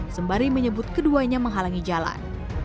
sembari menyebut keduanya menghalangi jalan